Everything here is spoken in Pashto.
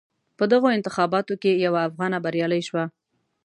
په دغو انتخاباتو کې یوه افغانه بریالی شوه.